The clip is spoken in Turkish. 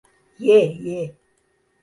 Ye, ye.